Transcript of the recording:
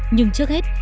nhưng trước hết